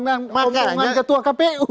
bukan menjalankan omongan ketua kpu